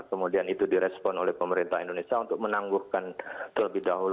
kemudian itu direspon oleh pemerintah indonesia untuk menangguhkan terlebih dahulu